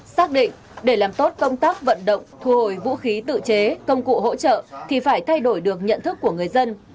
xác định để làm tốt công tác vận động thu hồi vũ khí tự chế công cụ hỗ trợ thì phải thay đổi được nhận thức của người dân